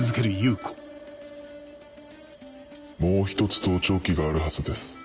もう１つ盗聴器があるはずです。